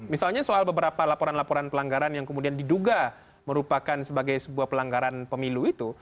misalnya soal beberapa laporan laporan pelanggaran yang kemudian diduga merupakan sebagai sebuah pelanggaran pemilu itu